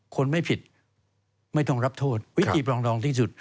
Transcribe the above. คนไม่ผิดไม่ต้องรับโทษวิธีปรองดองที่สุด